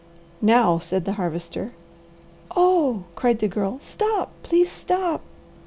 "Now!" said the Harvester. "Oh," cried the Girl. "Stop! Please stop!"